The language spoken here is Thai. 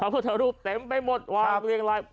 พระพุทธรูปเต็มไปหมดว้าวเรียกร้าย